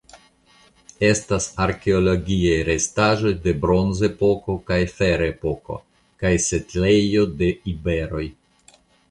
Estas arkeologiaj restaĵoj de Bronzepoko kaj Ferepoko kaj setlejo de iberoj.